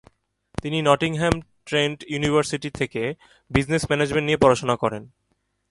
তিনি Nottingham Trent University থেকে business management নিয়ে পড়াশোনা করেন।